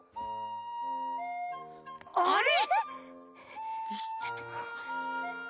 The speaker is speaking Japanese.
あれ？